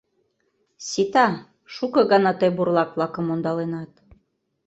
— Сита, шуко гана тый бурлак-влакым ондаленат.